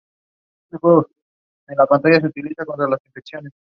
Son dos chicos alegres y están muy cómodos en cada uno de sus mundos.